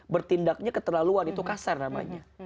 bertindaknya keterlaluan itu kasar namanya